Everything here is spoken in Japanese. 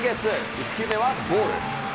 １球目はボール。